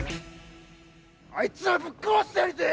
「あいつらぶっ殺してやりてえよ」